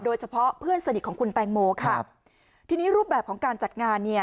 โดยเฉพาะเพื่อนสนิทของคุณแตงโมค่ะทีนี้รูปแบบของการจัดงานเนี่ย